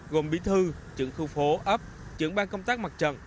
gồm bí thư trưởng khu phố ấp trưởng ban công tác mặt trận